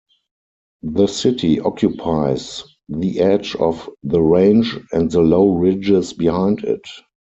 The city occupies the edge of the range and the low ridges behind it.